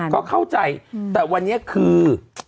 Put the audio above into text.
ก็เข้าใจแต่วันนี้คือ